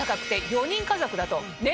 ４人家族だと。